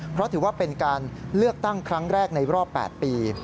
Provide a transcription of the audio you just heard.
เพราะถือว่าเป็นการเลือกตั้งครั้งแรกในรอบ๘ปี